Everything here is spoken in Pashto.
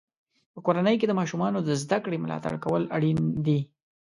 په کورنۍ کې د ماشومانو د زده کړې ملاتړ کول اړین دی.